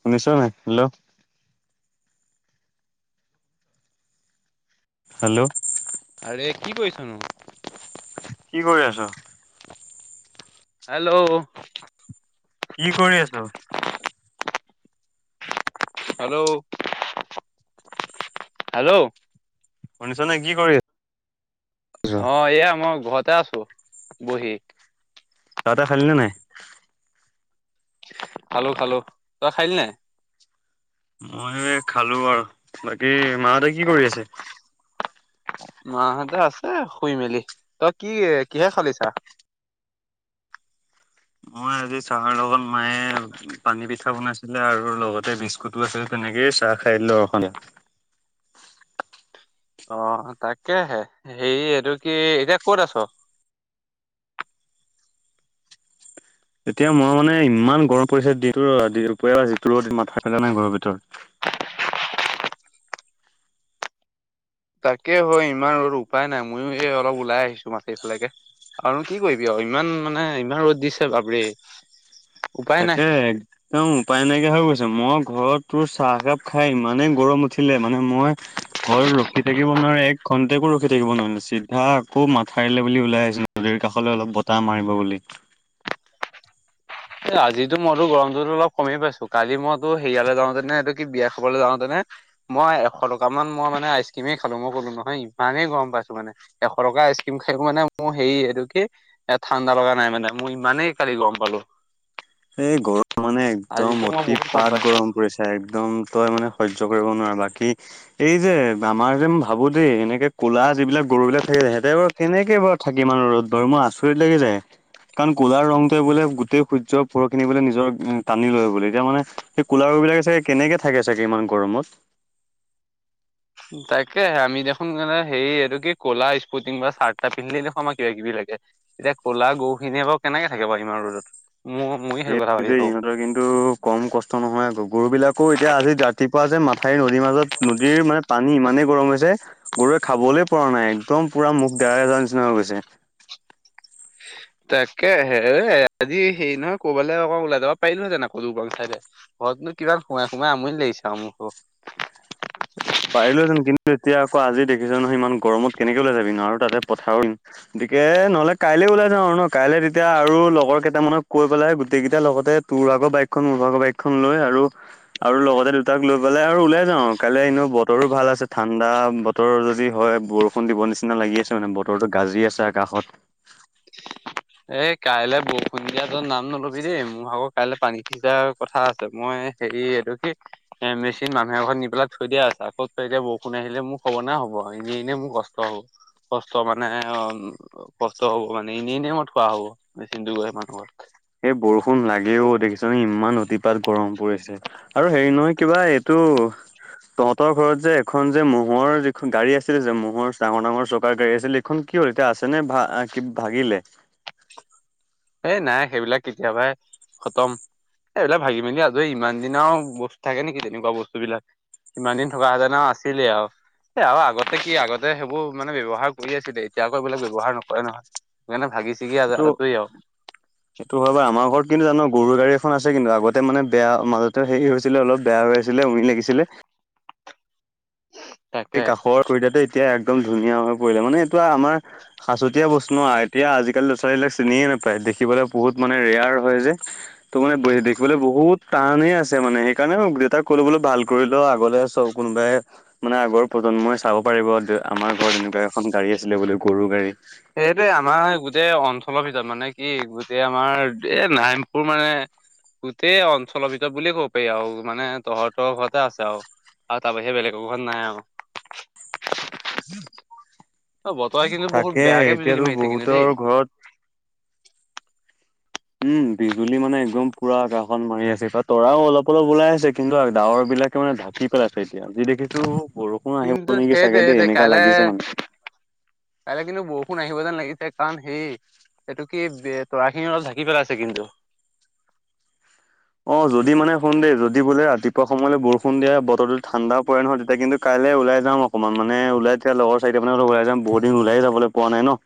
সোনিচ নাই hello hello আৰে কি কৰিছনো? কি কৰি আছ? হেল্ল' কি কৰি আছ? হেল্ল' হেল্ল' শুনিছনে কি কৰি আ অ এয়া মই ঘৰতে আছো বহি। চাহ-তাহ খালী নে নাই? খালো খালো তই খাইলি নাই। মই খালো আৰু বাকী মাহঁতে কি কৰি আছে? মাহতে আছে শুই মেলি তই কি কিহে খালি চা? [inaudible] মই আজি চাহৰ লগত মায়ে পানী পিঠা বনাইছিলে আৰু লগতে বিস্কুতো আছিল তেনে নেকেই চাহ খাইদিলো আৰু সন্ধিয়া। অ তাকেহে হে এইটো কি এতিয়া কত আছ? [inaudible] এতিয়া মই মানে ইমান গৰম পৰিছে দিনটো দুপৰীয়া যিটো ৰ'দ মাথা ফাটা নাই ঘৰৰ ভিতৰত। [inaudible] তাকে হয় ইমান আৰু উপায় নাই ময়ো এই অলপ ওলাই আহিছো মাটিৰ ফালেকে। আৰু কি কৰিবি অ ইমান মানে ইমান ৰ'দ দিছে বাপৰে। উপায় নাই। তাকে একদম উপাই নাইকিয়া হৈ গৈছে মই ঘৰত তোৰ চাহ একাপ খাই ইমানেই গৰম উঠিলে মানে মই ঘৰত ৰখি থাকিব আপাৰ এক ঘণ্টেকো ৰখি থাকিব নোৱাৰিলে চিধা আকৌ মাথাৰিললে বুলি ওলাই আহিছে নদীৰ কাষলৈ অলপ বতাহ মাৰি বুলি। এই আজিতো মইতো গৰমতো অলপ কমেই পাইছো কালি মইতো সেইয়ালৈ যাওঁতেনে এটো কি বিয়া খাবলৈ যাওঁতেনে মই এশ টকা মান মই মানে আইচ ক্ৰিমে খালো মই ক'লো নহয় ইমানেই গৰম পাইছো মানে। এশ টকা আইচ ক্ৰীম খাই মানে মোৰ হে এইটো কি এ ঠাণ্ডা লগা নাই মানে মই ইমানেই কালি গৰম পালো। এই গৰম মানে একদম আজিতো মই বহুত গম অতিপাত পাইছো গৰম পৰিছে একদম তই মানে সয্য কৰিব নোৱাৰ বাকী এই যে আমাৰ যে ভাবো দেই এনেকে কলা যিবিলাক গৰুবিলাক থাকে যায় সিহঁতে বাৰু কেনেকে বাৰ থাকে মান ৰ'দ বাৰ মোৰ আচৰিত লাগি যায়। কাৰণ কলাৰ ৰংটোৱে বোলে গোটেই সূৰ্য পৰ কিনিবলৈ নিজৰ টানি লৈ এতিয়া মানে সেই কোলাৰো বিলাকে চাগে কেনেকে থাকে চাগে ইমান গৰমত। [inaudible] তাকে আমি দেখোন মানে হেৰি এইটো কি কলা স্পৰ্টিং বা চাৰ্ট এটা পিন্ধিলে দেখোন আমাৰ কিবা কিবি লাগে। এতিয়া ক'লা গৰু খিনিয়ে ক কেনেকে থাকে বাৰু ইমাৰ ৰ'দত। মোৰ ময়ো কথা সেইটো ভাবি দেই থাকো ইহঁতৰ কিন্তু কম কষ্ট নহয় আ'কগৰ গৰু বিলাক আকৌ এতিয়া আজি ৰাতিপুৱা যে মাথাাইউৰ নদীৰ মাজত নদীৰ মানে পানী ইমানেই গৰম হৈছে গৰুৱে খাবলৈ পৰা নাই একদম পুৰা মুখ দেৰা দেৰা নিচিনা হৈ গৈছে। তাকে হে আজি হেৰি নহয় কবালে অকৌ ওলাই যাব পাৰিলোহেতেন আকৌ দুগং চাইদে। ঘৰতনো কিমান সোমাই সোমাই আমনি লাগিছ আৰু মো ভাগ। [inaudible] পাৰিলোহেতেন কিন্তু এতিয়া আকৌ আজি দেখিছ নহয় ইমান গৰমত কেনেকে ওলাই যাবি ন আৰু তাতে পথাৰ তাকে নহ'লে কাইলে ওলাই যাওঁ আৰু ন কাইলে তেতিয়া আৰু লগৰ কেইটামানক কৈ পেলাই গোটেই কেইটাৰ লগতে তোৰ তোৰ ভাগৰ বাইকখন মোৰ ভাগৰ বাইকখন লৈ আৰু লগতে দুটাক লৈ পেলাই আৰু ওলাই যাওঁ। কাইলে এনেও বতৰো ভাল আছে, ঠাণ্ডা বতৰ যদি হয় বৰষুণ দিব নিচিনা লাগি আছে মানে বতৰো গাজি আছে। আকাশত। এ, কাইলৈ বৰষুণ দিয়া তই নাম নলবি দেই মোৰ আগত কাইলৈ পানী সিজাৰ কথা আছে মই হেৰি এইটো কি এ মেচিন মানুহ এখন নি পেলাই থৈ দিয়া আছে। আকত এতিয়া বৰষুণ আহিলে মোক হব নে হ'ব এনে এনে মোৰ কষ্ট হ'ব কষ্ট মানে অঁ। কষ্ট হ'ব মানে এনেই এনেই এনেই থোৱা হব মেচিন টো গৈ মানুহৰ। এই বৰষুণ লাগেও দেখিছোন ইমান অতিপাত গৰম পৰিছে। আৰু হেৰি নহয় কিবা এইটো তহঁতৰ ঘৰত যে এখন যে মহ'ৰ যিখন গাড়ী আছিল যে মহ'ৰ ডাঙৰ-ডাঙৰ চৌকাৰ গাড়ী আছিল সেইখন কি হল? এতিয়া আছে নে কি ভাগিলে? এই নাই সেইবিলাক কেতিয়াবাই খতম। এই এইবিলাক ভাগি-মেলি আজ ইমান দিনা আৰু বস্তু থাকে নেকি তেনেকুৱা বস্তুবিলাক। ইমান দিন থকা হেতেন আছিলে আৰু। এ, আৰু আগতে কি আগতে সেইবোৰ মানে ব্যৱহাৰ কৰি আছিলে এতিয়া আকৌ এইবিলাক ব্যৱহাৰ নকৰে নহয়। সেইকাৰণে ভাগি চিগিটেই আৰু। উ। সেইটো হয় বাওঁ আমাৰ ঘৰত কিন্তু জানো গৰু গাড়ী এখন আছে কিন্তু। আগতে মানে বেয়া মাজতে হেৰি হৈছিলে অলপ বেয়া হৈ আছিলে। ছিলে উৰি লাগিছিলে। এই তাকে। কাষৰ খুতটো এতিয়া একদম ধুনীয়া হৈ পৰিলে মানে এইটো আমাৰ সাঁচতীয়া বস্তু আৰু এতিয়া আজিকালি ল'ৰা চোৱালীবলাক চিনিয়ে নাপায়। দেখিবলৈ বহুত মানে ৰেয়াৰ হয় যে, ত' মানে দেখিবলৈ বহুত টানে আছে মানে সেইকাৰণে মোক দেউতাক কলো বোলে ভাল কৰিলো আগলে চব কোনোবাই মানে আগৰ প্ৰজন্মই চাব পাৰিব, আমাৰ ঘৰত এনেকুৱা এখন গাড়ী আছিলে বুলি গৰু গাড়ী। লফিত মানে কি গোটেই আমাৰ এ নাইমপুৰ মানে গোটেই অঞ্চলৰ ভিতৰত বুলিয়ে ক'ব পাৰি আৰু মানে তহঁতৰ ঘৰতে আছে আৰু। আৰু তাৰ বাহিৰে সেইবলে ক ঘৰত নাই আৰু। অ বতৰে উম। কিন্তু বহুত তাকে বেয়াকে বিজুলী এতিয়াতো মাৰিছে কিন্তু দেই। বহুতৰ ঘৰত উম, বিজুলী মানে একদম পুৰা কাখন মাৰি আছে তৰাও অলপ, অলপ ওলাই আছে কিন্তু ডাৱৰ বিলাকে মানে ঢাকি পেল আছে এতিয়া যি দেখিছো বৰষুণ আহিব কিন্তু নেকি সেইট চাগে দেই সেই এনেকা কাইলৈ লাগিছে মানে। কাইলৈ কিন্তু বৰষুণ আহিব যেন লাগিছে। কাৰণ সেই এইটো কি তৰা খিনি অলপ ঢাকি পেলাইছে কিন্তু। অ, যদি মানে শুন দেই যদি বোলে ৰাতিপুৱায বৰষুণ দিয়ে বতৰটো ঠাণ্ডা ও পৰে নহয়। তেতিয়াই কিন্তু কাইলৈ ওলাই যাওঁ অকণমান মানে ওলাই তিয়া লগৰ চান ওলাই যাম বহু দিন ওলাইে যাবলৈ পোৱা নাই ন।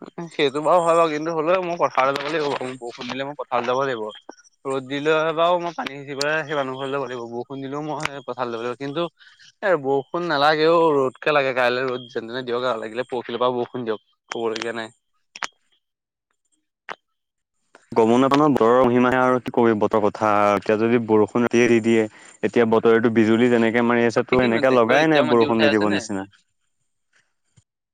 উম, সেইটো বাৰু হয় বাৰু কিন্তু হ'লেও মই পথাৰ যাব লাগিব বাৰু বৰষুত দিলে মই পথাৰত যাব লাগিব। ৰ'দ দিলেও বাু মই পানী সিচি পেল সেই মুহ ঘলৈ লব লাগিব বৰষুণ দিলেও মই পথাৰত ল' লাগিব। কিন্তু, বৰষুণ নালাগেও ৰদকে লাগে কাইলৈ ৰ'দ যেনে তেনে দিয়ক আৰু লাগিলে পৰহখিলৰ পৰা বৰষুণ দিয়ক। কব লগীয়া নাই। গৰম পানত বতৰৰ মহিমা আৰু কি কৰিব বতৰ কথা এতিয়া যদি বৰষুণ এ দি দিয়ে এতিয়া। বতৰতো বিজুলী যেনেকে মাৰি আছে এই তো কিনো এনেকে ট্ৰেক্টৰ লগাই নাই এতিয়াও মাটি বৰষুণ উঠাই নিদিব আছে নে? নিচিনা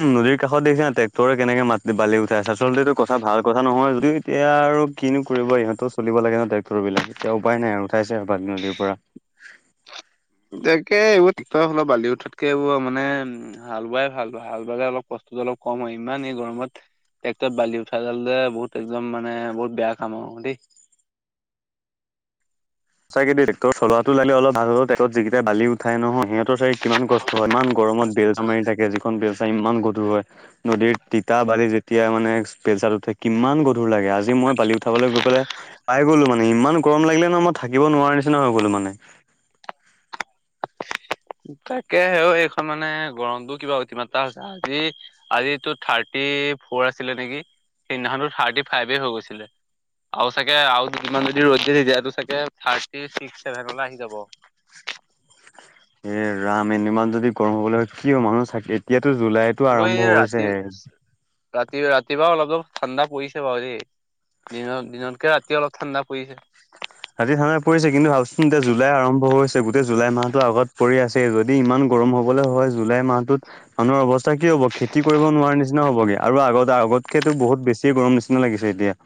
। ট্ৰেক্টৰে কেনেকে মাাত বালি উঠাই আছে। আচলতে এইটো কথা ভাল কথা নহয় আৰু দেই। এতিয়া আৰু কিনো কৰিব ইহঁতো চলিব লাগে ন, ট্ৰেক্টৰ বিলাক। এতিয়া উপায় নাই আৰু উঠাইছে আৰু বালী নদীৰ পৰা। [inaudible] তাকে এইবোৰ টেক্টৰ হলপ বালি উঠাতকে এইবোৰ মানে হাল বোৱাই ভাল। হাল বাইে অলপ কষ্ট ত, অলপ কম হয় ইমান এই গৰমত টেক্টৰত বালি উঠাই গাল যে বহুত একদম মানে বহুত বেয়া কাম আৰু দেই। [inaudible] চাগটেট চলোৱা টো লে অলপ ভাল হ । যিকেইটা বালি উঠাই নহয় সিহঁতৰ চ কিমান কষ্ট হয় ইমানখিনি গৰমত বেলচা মাৰি থাকে যিখন বেলচা ইমান গধুৰ হয় নদীৰ তিতা বালি যেতিয়া মানে বেলচাত উঠে কিমান গধুৰ লাগে আজি মই বালি উঠাবলৈ গৈ পেলাই গলো মানে ইমান গৰম লাগিলে ন মই থাকিব নোৱাৰা নিচিনা হৈ গলো মানে তাকে হে আও এইখন মানে গৰমটোও কিবা অতিমাত্ৰা হৈছে আজি আজিতো থাৰ্টি ফ'ৰ আছিলে নেকি সেইদিনাখনো থাৰ্টি ফাইভে হৈ গৈছিলে আৰু চাগে আৰু যিমান যদি ৰ'দ দিয়ে চাগে থাৰ্টি ছিক্স ছেভেনলে আহি যাব। এ ৰাম এদমান যদি গৰম হ'বলৈ হয় কিয় মানুহ চাকে এতিয়া টো জুলাইতো হ'লেও এই আৰম্ভ হৈছে ৰাতি ৰাতি ৰাতিপুৱা অলপ-অলপ ঠাণ্ডা পৰিছে বাৰু দেই [inaudible] দিন-দিনতকে ৰাতি অলপ ঠাণ্ডা পৰিছে । ৰাতি ঠাণ্ডাটো পৰিছে কিন্তু ভাবচোন এতিয়া জুলাই আৰম্ভ হৈছে গোটেই জুলাই মাহতো আগত পৰি আছে যদি ইমান গৰম হবলৈ হয় জুলাই মাহটোত মানুহৰ অৱস্থা কি হ'ব খেতি কৰিব নোৱাৰাৰে নিচিনা হ'বগে আৰু আগতে আগতকেতো বহুত বেছি গৰম নিচিনা লাগিছে এতিয়া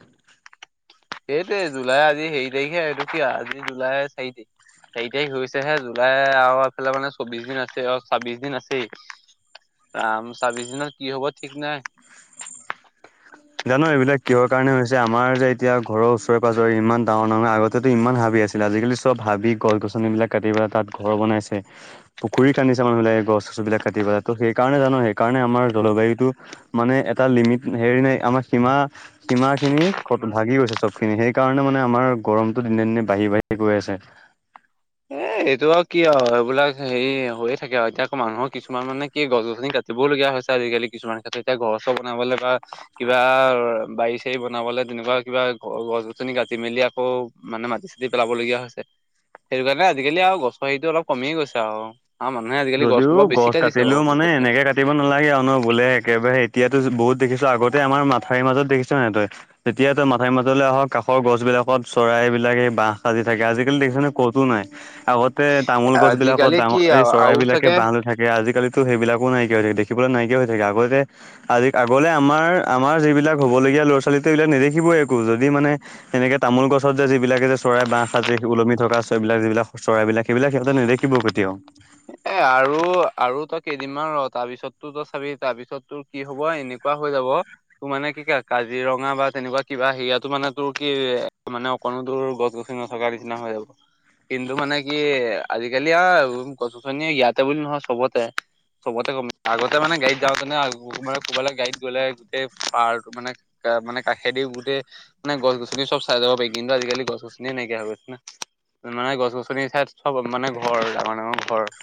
এইটোৱেই তো জুলাই আজি হেৰি তাৰিখ এইটো কি আজি জুলাই চাৰি তাৰিখ চাৰি তাৰিখ হৈছেহে জুলাই আৰু এইফালে মানে চৌবিশ দিন আছে অ ছাব্বিশ দিন আছেই আম চাব্বিশ দিনৰত কি হ'ব ঠিক নাই । [inaudible] জানো এইবিলাক কিহৰ কাৰণে হৈছে আমাৰ যে এতিয়া ঘৰৰ ওচৰে-পাজৰে ইমান ডাঙৰ নহয় আগতে ইমান হাবি আছিল আজিকালি চব ভাবি গছ-গছিনবিলাক কাটি পেলাই তাত ঘৰ বনাইছে, পুখুৰী খান্দিছে মানুহিলাকে গছ ছবিলাক কাটি পেলাই ত সেই কাৰণে জানো সেইকাৰণে আমাৰ জলবায়ুটো মানে এটা লিমিট হেৰি ন আমাৰ সীমা-সীমাখিনি ভাগি গৈছে চবখিনি সেইকাৰণে মানে আমাৰ গৰমটো । দিনে-দিনে বাঢ়ি-বাঢ়ি গৈ আছে এ এইটো আৰু কি আৰু এইবিলাক হেৰি হৈয়ে থাকে আৰু এতিয়া আকৌ মানুহৰ কিছুমান মানে কি গছ-গছনি কাটি দিবলগীয়া হৈছে আজিকালি কিছুমান ক্ষেত্ৰত এতিয়া ঘৰ-চৰ বনাবলে বা কিবা বাৰি-চাৰী বনাবলে তেনেকুৱা কিবা গছ-গছনি কাটি মেলি আকৌ মানে মাটি-চাতি পেলাবলগীয়া হৈছে । সেইটো কাৰণে আজিকালি আৰু গছৰ হেৰিটো অলপ কমিয়ে গৈছে আৰু আৰু মানুহে আজিকালি গছটো যদিও বাৰু বেছি গছ কাটিছে বাৰু কাটিলেও মানে জোখতকে এনেকে কাটিব নালাগে আৰুনো বোলে একেবাৰে এতিয়াতো বহুত দেখিছো আগতে আাৰ মাথাৰিৰ মাজত দেখিছ নহয় তই যেতিয়া তই মাঠাৰি মাজলৈ আহ কাষৰ গছ বি বিলাকত চৰাইবিলাকে এই বাহ সাজি থাকে আজিকালি দেখিছনে ক'তো নাই । আগতে তামোল গছবিলাকত আজিকালি কি ডাঙৰ এই আৰু আৰু চৰাইবিলাকে চাগে বাহ লৈ থাকে আজিকালি সেইবিলাকো নাইকিয়া হৈ থাকে দেখিবলৈ নাইকিয়া হৈ থাকে আগতে আজি আগলে আমাৰ আমাৰ যিবিলাক হ'বলগীয়া এয়া লৰা ছোৱালীতো এইবিলাকটোক নেদেখিবই একো যদি মানে সেনেকে তামোল গছত যে যিবিলাকে যে চৰাই বাঁহ আজি ওলমি টুকুৰা চৰাইবিলাক যিবিলাক চৰাইবাক সেইবিলাক সিহঁতে নেদেখিব‌ই কেতিয়াও [unintelligible] [inaudible] এ আৰু আৰু তই কেইদিনমান আৰু ৰ তাৰপিছততো তই চাবি তাৰপিছত তোৰ কি হ'ব এনেকুৱা হৈ [inaudible] তোৰ মানে কি ক কাজিৰঙা বা তেনেকুৱা কিবা সেয়াটো মানে তোৰ কি মানে অকনো [inaudible] তোৰ গছ-গছনি নথকা নিচিনা হৈ যাব কিন্তু মানে কি আজিকালি আৰু গছ [inaudible] [inaudible] [unintelligible] ইয়াতে বুলি নহয় চবতে [inaudible] চবতে কম আগতে মানে গাড়ীত যাওঁতেনে কোনোবালে গাড়ীত গ'লে গোটেই পাহাৰটো মানে [inaudible] মানে কাষে দিও গোটেই মানে গছ-গছনি চব চাই যাব পাৰি কিন্তু আজিকালি গছ-গছনিয়ে নাইকিয়া হৈ গৈছো [inaudible] মানে গছ-গছনি ঠাইত চব মানে ঘৰ ডাঙৰ-ডাঙৰ ঘৰ [unintelligible]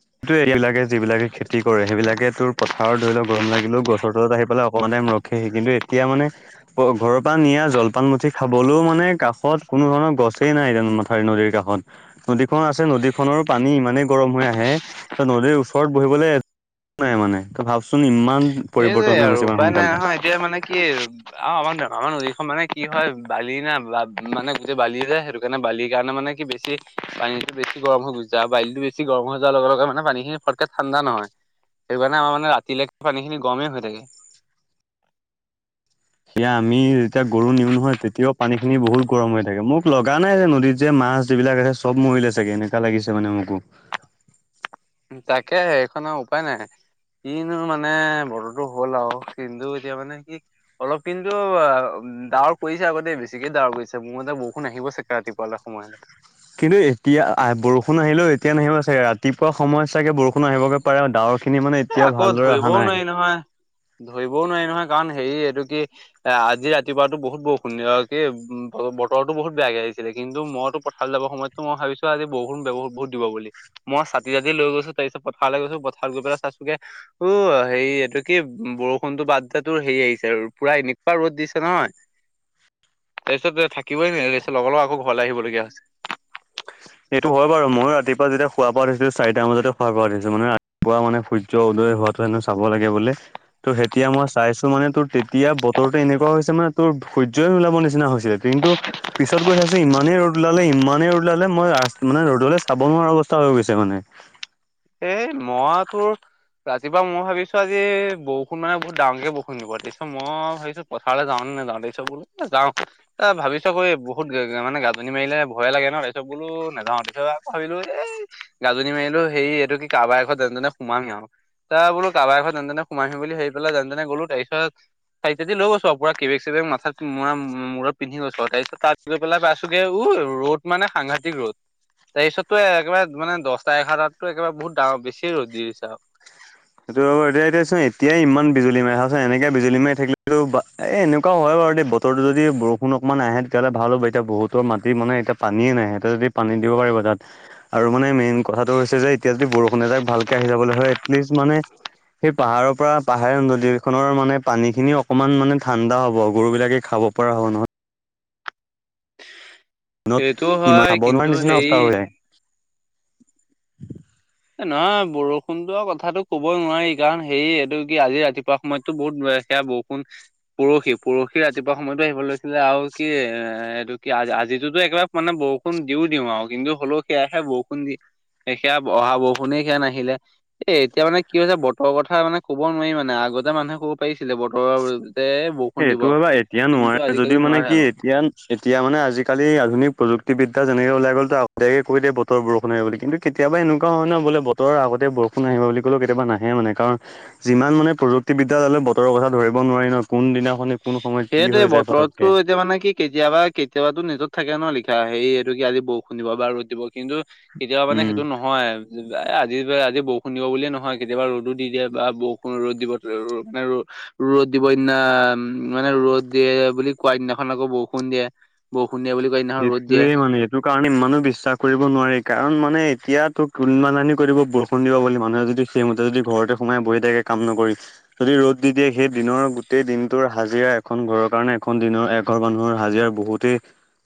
[unintelligible] এই এইবিলাকে যিবিলাকে খেতি কৰে সেইবিলাকে তোৰ পথাৰৰ ধৰি লওক গৰম লাগিলেও গছৰ তলত আহি পেলাই অকণমানে [inaudible] ৰখেহি কিন্তু এতিয়া মানে ঘৰৰ পৰা নিয়া জলপান মুঠি খাবলৈও মানে কাষত কোনো [unintelligible] নৰ গছেই নাই মাথা নদীৰ কাষত নদীখন আছে নদীখনৰ পানী ইমানেই গৰম হৈ আহে [unintelligible] ত নদীৰ ওচৰত বহিবলৈ এক নাই মানে ত ভাবচোন ইমান [inaudible] এইটোৱেই হৈ আৰু গৈছে ইমান উপায় নাই সোনকালে। নহয় এতিয়া মানে কি [unintelligible] অ আমাৰ-আমাৰ নদীখন মানে কি হয় বালি না মানে গোটেই বালি যে সেইটো কাৰণে বালিৰ কাৰণে মানে [inaudible] মানে কি বেছি পানীটো বেছি গৰম হৈ গুচি যায় বালিটো বেছি গৰম হৈ যোৱাৰ লগে-লগে মানে পানীখিনি ফটকে ঠাণ্ডা নহয় [inaudible] সেইকাৰণে আমাৰ মানে ৰাতিলৈকে পানীখিনি গৰমেই হৈ থাকে [unintelligible] সয়া আমি যেতিয়া গৰু নিও নহয় তেতিয়াও পানী খিনি বহুত গৰম হৈ থাকে মোক লগা নাই যে নদীত যে মা মাছ যিবিলাক আছে চব মৰিলে চাগে এনেকা লাগিছে মানে মোকো তাকে সেইখনৰ উপায় নাই কিনো মানে বতৰতো হ'ল আৰু কিন্তু এতিয়া মানে কি অলপ কিন্তু ডাৱৰ কৰিছে আগতে বেছিকে ডাৱৰ কৰিছে মোৰ এয়া বৰষুণ আহিব চাগে ৰাতিপুৱালৈ সময়লৈ কিন্তু এতিয়া আহ বৰষুণ আহিলেও এতিয়া নাহিব চাগে ৰাতিপুৱা সময় চাগে বৰষুণ আহিবগে পাৰে আৰু ডাৱৰ খিনি মানে এতিয়াও আকৌ ভালদৰে অহা ধৰিবও নাই নোৱাৰি নহয় ধৰিবও নোৱাৰি নহয় কাৰণ হেৰি এইটো কি এ আজি ৰাতিপুৱাতো বহুত বহু সুন্দ আৰু কি বতৰৰতো বহুত বেয়াকে আহিছিলে কি কিন্তু মইতো পঠাললৈ যাব সময়তো মই ভাবিছিলো আজি বৰু বহ বহু দিব বুলি মই চাতি জাতি লৈ গৈছো তাৰিছত পথাৰ লাগে পথাৰ গৈ প চ ে উ হেৰি এইটো কি বৰষুণতো বাদাতো হেৰি আহিছে আৰু পুৰা এনেকুৱা ৰ'দ দিছে নহয় হয় তাৰপিছত থাকিবই নোৱাৰি তাৰপিছত লগৰ লগত আকৌ ঘৰলৈ আহিবলগীয়া হৈছে হয় এইটো হয় বাৰু ময় ৰাতিপুৱা যেতিয়া খুৱোৱা পা উঠছিলো চাৰিটা বজাতে খোৱা পোৱা উঠিছো মানে ৰাপুৱা মানে সূৰ্য উ লৈ োৱাো হেনো চাব লাগে বোলে ত' তেতিয়া মই চাইছো মানে তোৰ তেতিয়া বতৰটো এনেকুৱা হৈছে মানে তোৰ সূৰ্য্য ওলাব নিচিনা হৈছিলে কিন্তু পিছত গৈ চাইছো ইমানেই ৰ'দ ওলালে ইমানেই ৰ'দ মই ৰা মানে ৰ'দলৈ চাব নোৱাৰা অৱস্থা হৈ গৈছে মানে এ মই ত ৰাতিপুৱাই ভিছো আজি বৰষুণ মানে বহুত ডাঙকে বৰষুণ দিব তাপিছত মই ভাবিছো পথাৰলৈ যাওঁ ন নে যাওঁ তাৰিছব বোলে যাও এ ভাবিছ ক এই বহুত মানে গাজনি মাৰিলে ভয়ে লাগে ন তাৰিব বোলো নাযাও তেতিয়া আকৌ ভাবিলো এই গাজনি মাৰিলেও সেই এইটো কি কাৰোবাৰ এ ঘত এনেনে সোমামি আৰু তাৰ বোলো কাৰোবাৰ এ ঘত যেন তেনে সোমাই আহিম বুলি সেইি পেলাই যেনে গ'লো তাৰিছত চাৰিটাতি লৈ গৈছো আৰু পু কেেগ চেক মাথাাত ম মূৰত পিন্ধি গৈছো আৰু তাৰ পিছ তাত গৈ পেলাইছোগে উ ৰ'দ মানে সাংঘাটতিক ৰ'দ তাৰপিছতো একেবাৰে মানে দহটা এঘাৰটাতো একেবাৰে বহুত ডাঙৰ বেছি ৰ'দ দি দিছে আৰু সেইটো এতিয়া এতিয়া চোন এতিয়াই ইমান বিজুলী মাৰাৰেচোন এনেকে বিজুলী মাৰি থাকিলে এনেকুৱাও হয় বতৰটো যদি বৰষুণ অকমান আহে তেতিয়াহলে ভাল হ'ব এতিয়া বহুতৰ মাটি মানে এতিয়া পানীয়ে নাই এতিয়া যদি পানী দিব পাৰিব তাত আৰু মানে মেইন কথাটো হৈছে যে এতিয়া যদি বৰষুণ এজাক ভালকে আহি যাবলৈ হয় এিষ্ট মানে সেই পাহাৰৰ পৰা পাহাৰ নদীখনৰ মানে পানী খিনি অকনমান মানে ঠাণ্ডা হ'ব গৰু বিলাকে খাব ক'ব পৰা হ' নহয় ত সেইটো ইমাহ হয় বনমান কিন্তু নিচিনা অস্থা হেৰি হৈ [inaudible] এ নহয় বৰষুণটো কথাটো ক'বই নোৱাৰি কাৰণ হেৰি এইটো কি আজি ৰাতিপুৱা সময়তো বহুত [inaudible] এয়া বৰষুণ পৰহি পৰহি ৰাতিপুৱা সময়তো আহিব লৈছিলে আৰু কি এ এইটো কি আজি যিটোতো একবাৰে মানে বৰষুণ দিও দিওঁ আও। কিন্তু হলেও সেয়াহে বৰষুণ দি সেয়া অহা বৰষুণে সে নাহিলে। এ এতিয়া মানে কি হৈছে বতৰৰ কথা মানে ক'ব নোৱাৰি মানে আগতে মানুহে ক পাৰিছিলে বতৰৰ যে বৰষুণ দিব এইটো হবা এতিয়া কিন্তু নোৱাৰে আজিকালি যদিও মানে নোৱাৰে কি আৰু। এতিয়া এতিয়া মানে আজিকালি আধুনিক প্ৰযুক্তিবিদ্যা যেনেকে ওলাই গলত আগতীয়ে কৈ দ বৰষুণ হয় বুলি কিন্তু কেতিয়া একুৱা হয় ন বলে বতৰ আগতে বৰষুণ আহ বুলি ক'লেও কেতিয়াবা নাহে মানে কাৰণ যিমান মানে প্ৰযুক্তিবিদ্যা হ'লেও বতৰৰ কথা ধৰিব নোৱাৰি ন কোনদিনাখনি কোন সময়ত কি হৈ সেইটোয়ে যায় বতৰতটো পতককে এতিয়া মানে কি কেতিয়াবা কেতিয়াবাটো নিউজত থাকে ন লিখা সেই এইটো কি আজি বৰষুণ দিব বা ৰ'দ দিব কিন্তু কেতিয়াবা মানে উম সেইটো নহয়। এ আজি পা আজি বৰষুণ দিব বুলিয়ে নহয় কেতিয়াবা ৰ'দো দি দিয়ে বা বৰষুণ ৰ'দ দিব ।ৰ মানে ৰ ৰ'দ দিব সিদিনা মানে ৰ'দ দিয়ে বুলি কোৱা দিনাখন আকৌ বৰষুণ দিয়ে বৰ এইটোয়ে মানে এইটো কাৰণে ইমানো বিশ্বাস কৰিব নোৱাৰি কাৰণ মানে এতিয়াটো কোনোবা নাখনি কৈ দিব বৰষুণ দিব বুলি মানুহে যদি সেইমতে যদি ঘৰতে সোমাই বহি থাকে কাম নকৰি যদি ৰ'দ দি দিয়ে সেই দিনৰ গোটেই দিনটোৰ হাজিৰা এখন ঘৰৰ কাৰণে এখন দিনৰ এঘৰ মানুহৰ হাজিৰা এতিয়া বহুতে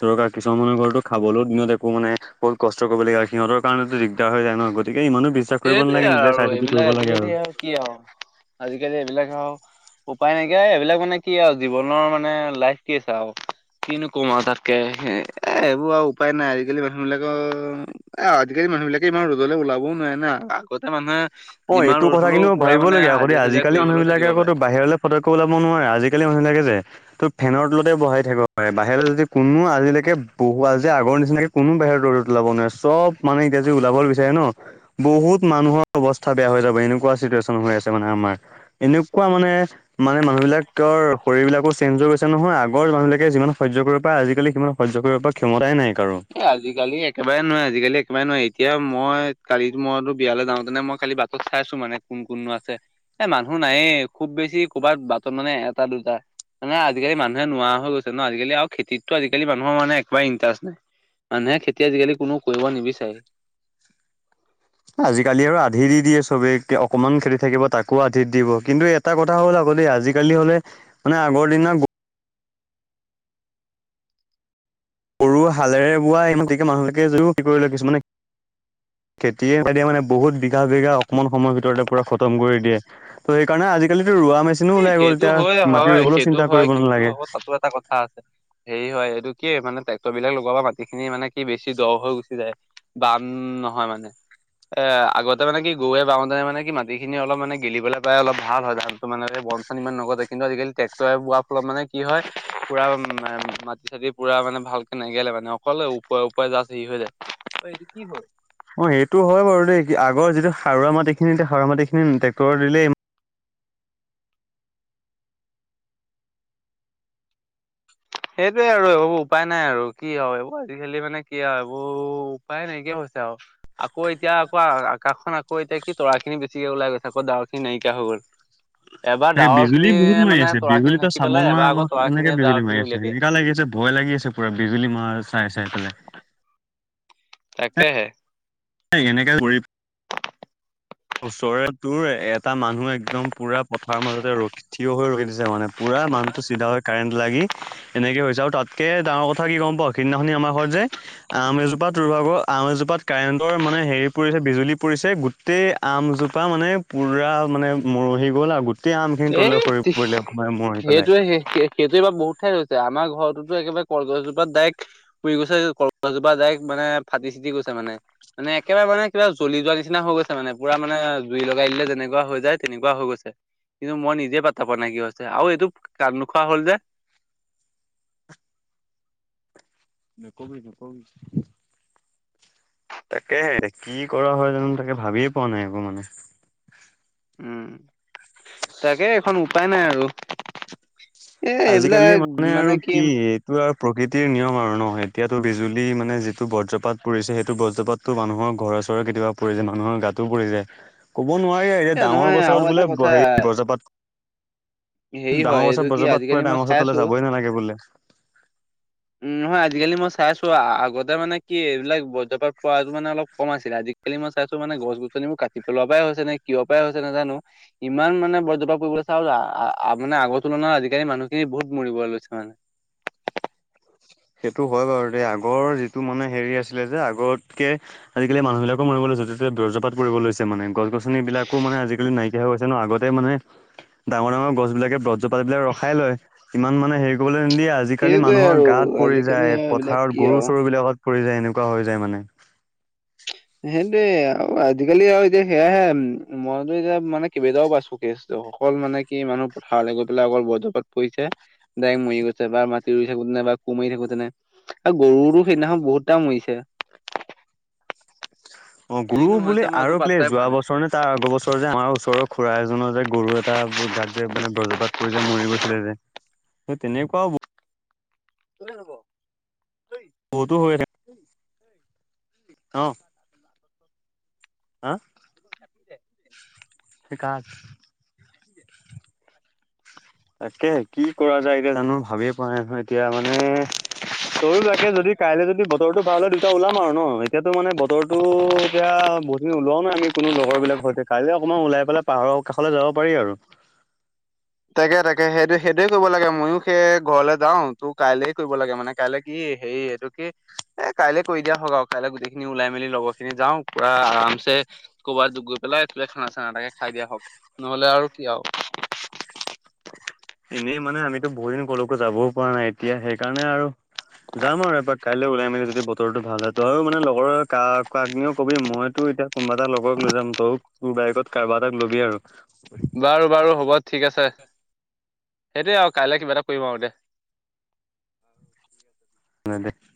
দৰকাৰ কিছুমান মানুহৰ ঘৰতটো খাবলৈও দিনত একো মানে বহুত কষ্ট কৰিব লগীয়া হয় সিহঁতৰ কাৰণেটো দিগদাৰ হৈ যায় ন । গতিকে ইমানো বিশ্বাস কৰিব এইটোয়ে নালাগে নিজে আৰু চাই চিতি এইবিলাক কৰিব লাগে আজিকালি আৰু কি আৱ আজিকালি এইবিলাক আৱ উপায় নাইকিয়া এইবিলাক মানে কি আৱ জীৱনৰ মানে লাইফ কি আছে আৱ কিনো কম আৱ তাকেহে এ এইবোৰ আৱ উপায় নাই আজিকালি মানুহ বিলাকৰ এ আজিকালি মানুহ বিলাকে ইমান ৰ'দলে ওলাবও নোৱাৰে না আগতে মানুহে অ যিমান এইটো ৰ'দ কথা হলেও কিন্তু পুৰা ভাবিব মানে লগীয়া আক দেই, হাজিৰা চাজিৰা আজিকালি কৰি মানুহ হলেও থাকিব বিলাকে পাৰে আকতো বাহিৰলে পতককে ওলাব নোৱাৰে আজিকালি মানুহ সেনেকে যে তো ফেনৰ তলতে বহাই থাকিব পাৰে বাহিৰলে যদি কোনো আজিলেকে বহুৱা যে আগৰ নিচিনাকে কোনো বাহিৰত ৰ'দত ওলাব নোৱাৰে। চব মানে এতিয়া যি ওলাবলে বিচাৰে ন বহুত মানুহৰ অৱস্থা মাথা বেয়া হৈ যাব এনেকুৱা চিটুৱেচন হৈ আছে মানে আমাৰ এনেকুৱা মানে মানে মানুহবিলাকৰ শৰীৰবিলাকো চেইঞ্জ হৈ গৈছে নহয় আগৰ মানুহ বিলাকে যিমান সহ্য কৰিব পাৰে আজিকালি সিমান সহ্য কৰিব পৰা ক্ষমতাই নাই। কাৰো এ আজিকালি একেবাৰে নোৱাৰে আজিকালি একেবাৰে নোৱাৰি ।এতিয়া মই কালিত মইটো বিয়ালে যাওঁতেনে মই কালি বাটত চাইছো মানে কোন কোননো আছে এ মানুহ নায়ে। খুব বেছি কৰ'বাত বাটত মানে এটা দুটা। মানে আজিকালি মানুহে নোৱা হৈ গৈছে ন আজিকালি আৰু খেতিতটো আজিকালি মানুহৰ মানে একবাৰে ইনটাষ্ট নাই। মানুহে খেতি আজিকালি কোনো কৰিব নিবিচাৰে। এ আজিকালি আৰু আধি দি দিয়ে চবে অকমান খেতি থাকিব তাকো আধি দিব। কিন্তু এটা কথা হ'ল আকৌ আজিকালি হ'লে মানে আগৰ দিনৰ গৰু হালেৰে বোৱা ইমান তেকে মানুহলৈকে যদিও কি কৰি লয় কিছুমানে খেতিয়ে মানে বহুত বিঘা বিঘা অকমান সময়ৰ ভিতৰতে পুৰা খতম কৰি দিয়ে ত' সেইকাৰণে আজিকালি ৰুৱা মেচিনো এ ওলাই গ'ল সেইটো হয় এতিয়া মাটি হয় ৰুবলৈও সেইটো চিন্তা কৰিব নেলাগে। হেৰী হয় এইটো কি মানে ট্ৰেক্টৰ বিলাক লগোৱা পা মাটিখিনি মানে কি বেছি দ হৈ গুচি যায় বাম নহয় মানে। এ আগতে মানে কি গৰুৱে বাওঁতে মানে কি মাটিখিনি অলপ মানে গেলিবলে পায় অলপ ভাল হয় ধানটো মানে বনচন ইমান নগজে। কিন্তু আজিকালি ট্ৰেক্টৰে বোৱাৰ ফলত মানে কি হয় পুৰা মা মাটি চাটি পুৰা মানে ভালকে নেগেলে মানে অকল ওপৰে ওপৰে যাচ হেৰি হৈ যায়। ঐ এইটো কি হ'ল অ' সেইটো হয় বাৰু দেই কি আগৰ যিটো সাৰুৱা মাটিখিনি সাৰুৱা মাটিখিনি ট্ৰেক্টৰে দিলে সেইটোৱে আৰু এইবোৰ উপায় নাই আৰু কি আৱ এইবোৰ আজিকালি মানে কি আৱ এইবোৰ উপায় নাইকিয়া হৈছে আৱ। আকৌ এতিয়া আকৌ আ আকাশখন আকৌ এতিয়া কি তৰাখিনি বেছিকে ওলাই গৈছে। আকৌ ডাৱৰখিনি নাইকিয়া হৈ গ'ল। এবাৰ তাকে বিজুলী ডাৱৰখিনিয়ে বহুত মাৰি মানে আছে তৰাখিনি ঢাকি পেলাই এবাৰ আকৌ তৰা খিনিয়ে ডাৱৰ খিনি উলিয়াই দিয়ে। সেনেকা লাগি আছে ভয় লাগি আছে পুৰা বিজুলী মাৰা চাই, চাই পেলাই। তাকেহে। এনেকা কৰি ওচৰে তোৰ এটা মানুহ একদম পুৰা পথাৰ মাজতে ৰখি থিয় হৈ ৰৈ দিছে মানে পুৰা পুৰা মানুহটো চিধা হৈ কাৰেণ্ট লাগি এনেকে হৈছে আৰু তাতকে ডাঙৰ কথা কি গ'ম পাওঁ সেইদিনাখনি আমাৰ ঘৰত যে আম এজোপাত তোৰ ভাগৰ আম এজোপাত কাৰেণ্টৰ মানে হেৰী পৰিছে বিজুলী পৰিছে গোটেই আমজোপা মানে পুৰা মানে মৰহি গ'ল আৰু গোটেই আমখিনি এ তললে সৰি সে পৰিলে মৰহি পেলাই। সেইটোৱে কে কেতিয়াবা বহুত ঠাইত হৈছে আমাৰ ঘৰত টোতো একেবাৰে কলগছজোপাত ডাইৰেক্ট পুৰি গৈছে কলগছজোপা ডাইৰেক্ট মানে ফাটি চিটি গৈছে মানে মানে একেবাৰে মানে কিবা জ্বলি যোৱা নিচিনা হৈ গৈছে মানে পুৰা মানে জুই লগাই দিলে যেনেকুৱা হৈ যায় তেনেকুৱা হৈ গৈছে। কিন্তু মই নিজে পাতা পোৱা নাই কি হৈছে? আৰু এইটো কাট নোখোৱা হ'ল যে? নকবি নকবি। তাকেহে কি কৰা হয় জানো তাকে ভাবিয়ে পোৱা নাই একো মানে। উম তাকে এখন উপায় নাই আৰু। আজিকালি মানে আৰু কি এইটো আৰু প্ৰকৃতিৰ নিয়ম আৰু ন [unintelligible] এতিয়াতো বিজুলী মানে যিটো বজ্ৰপাত পৰিছে সেইটো বজ্ৰপাতো মানুহ ঘৰে চৰে কেতিয়াবা পৰি যায় মানুহৰ গাত। পৰি যায়। ক'ব নোৱাৰি এই যে এ ডাঙৰ নহয় গছৰ বোলে হেই গজপাত সেই হয় এইটো কি আজি আজিকালি মই ডাঙৰ চাই গছৰ তলে আছো যাবই নালাগে বোলে। উম নহয় আজিকালি মই চাই আছো। আগতে মানে কি এইবিলাক বজপাত পোৱা যটো মানে অলপ কম আছিলে আজিকালি মই চাইছো মানে গছ গছনি মোৰ কাটি পেলোৱা পৰাই হৈছে। ন কিয় পৰাই হৈছে নাজানো? ইমান মানে ব্ৰজপাত পৰিবলে চাওঁ মানে আগৰ তুলনাৰ আজিকালি মানুহ মানুহখিনি বহুত মৰিব লৈছে মানে। [unintelligible] সেইটো হয় বাৰু দ আগৰ যিটো মানে হেৰি আছিলে যে আগতকে আজিকালি মানুহ বিলাকো মনিব লাগ য ততে বৰ্জপাত কৰিব লৈছে মানে গছ গছনি বিলাকো মানে আজিকালি নাইকিয়া হৈ গৈছে ন আগতে মানে ডাঙৰ ডাঙৰ গছ বিলাকে ব্ৰজপাতিবিলাক ৰখাই লয় ইমান মানে হেৰি কৰিবলৈ নিদিয়ে আজিকালি সেইটোৱে মানুহৰ আৰু গাত পৰি আজিকালি যায় আৰু এইবিলাক পথাৰত কি গৰু আৰু। চৰু বিলাকত পৰি যায় এনেকুৱা হৈ যায় মানে। সেইটোৱে আজিকালি আৰু এতিয়া সেয়াহে মইনতো এতিয়া মানে কেইবেইটাও পাইছো কি আছ অকল মানে কি মানুহ পথাৰলে গৈ পেলাই অকল বজ্ৰপাত পৰিছে ডাইক্ট মৰি গৈছে বা মাটি ৰুইছে। কুমাৰি থাকো যেনে আৰু গৰুটো সেইদিনাখন বহুত টা মৰিছে [unintelligible] অঁ গুৰু কিনো বুলি হৈছে মই আৰু একো বোলে পাত্তাই যোৱা পোৱা নাই। বছৰ নে তাৰ আগৰ বছৰ যে আমাৰ ওচৰৰত খুৰা এজনৰ যে গৰু এটা গাত যে মানে ব্ৰজ্ৰপাত পৰি যে মৰি গৈছিলে যে। স তেনেকুৱা হ'ব ভালে হ'ব। অঁ। হাঁ? [inaudible] তাকে কি কৰা যায় এতিয়া জানো ভাবিয়ে পোৱা নাই নহয় এতিয়া মানে তয় তাকে যদি কাইলৈ যদি বতৰটো ভাল হ'য় দুটা ওলাম আও ন? এতিয়াতো মানে বতৰটো এতিয়া বহুতদিন উলোৱা নাই আমি কোনো লগৰ বিলাকৰ সৈতে কাইি অকণমান ওলাই পেলাই পাহাৰৰ কাষলে যাব পাৰি আৰু। [unintelligible] তাকে তাকে সেইটোে সেইটোয়ে কৰিব লাগে ময়ো সেই ঘৰলৈ যাওঁ তোৰ কাইলে কৰিব লাগে মানে কাইলে কি হেৰি এই এইটোকে এ কাইলে কৰি দিয়া হওঁক আৰু কাইলৈ গোটেইখিনি ওলাই মেলি লগৰ খিনি যাওঁ। পোৰা আৰামচে ক'ৰবাত গৈ পেলাই এইফালে খানা চানা এটাকে খাই দিয়া হওক নহ'লে আও কি আও? [inaudible] এনেই মানে আমিতো বহুত দিন ক'লৈকো যাবওঁ পৰা নাই এতিয়া সেইকাৰণে আৰু যাম আৰু এপাৰ কাইলৈ উওলাই মেলি যদি বতৰো ভাল হয় তইয়ও মানে লগৰ ক কাক্নিও কবি মইতো এতিয়া কোনোবা এটা লগক লৈ যাম তই তোৰ বাইকত ক কাৰোবা এটা ল'বি আৰু। বাৰু বাৰু হ'ব ঠিক আছে। সেইটোৱে আৰু কাইলে কিবা এটা কৰিম আও দে। ন দে [unintelligible]